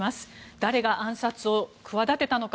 誰が暗殺を企てたのか。